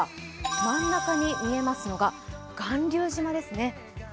真ん中に見えますのが巌流島ですね。